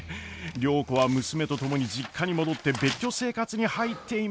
良子は娘と共に実家に戻って別居生活に入っていました。